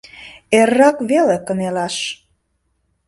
Эррак веле кынелаш.